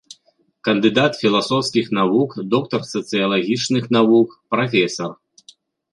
Кандыдат філасофскіх навук, доктар сацыялагічных навук, прафесар.